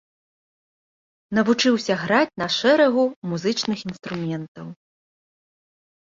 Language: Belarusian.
Навучыўся граць на шэрагу музычных інструментаў.